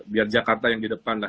biar jakarta yang di depan lah